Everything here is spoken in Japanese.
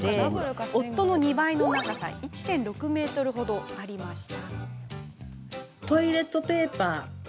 夫の２倍の長さで１．６ｍ程ありました。